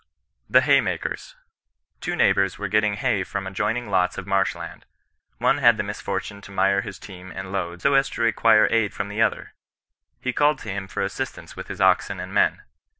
THE HAYMAKERS. Two neighbours were getting hay from adjoining lots of marsh land. One had the misfortune to mire his team and load so as to require aid from the other. He called to him for assistance with his oxen and men.